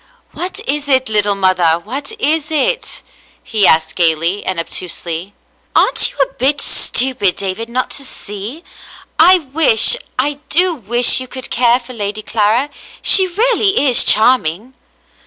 "What is it, little mother, what is it ?" he asked gayly and obtusely. "Aren't you a bit stupid, David, not to see ? I wish — I do wash you could care for Lady Clara. She really is charming."